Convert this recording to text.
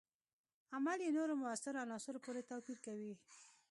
عمل یې نورو موثرو عناصرو پورې توپیر کوي.